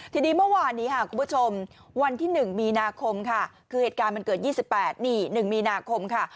ทีนี้เมื่อวานนี้ค่ะคุณผู้ชมวันที่๑มีนาคมค่ะคือเหตุการณ์มันเกิด๒๘นี่๑มีนาคมค่ะ